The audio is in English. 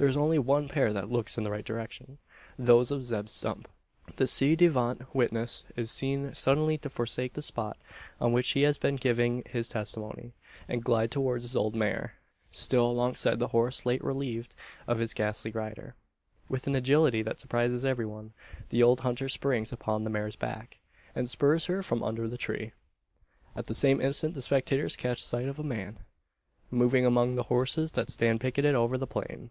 There is only one pair that looks in the right direction those of Zeb Stump. The ci devant witness is seen suddenly to forsake the spot on which he has been giving his testimony, and glide towards his old mare still alongside the horse late relieved of his ghastly rider. With an agility that surprises every one, the old hunter springs upon the mare's back, and spurs her from under the tree. At the same instant the spectators catch sight of a man, moving among the horses that stand picketed over the plain.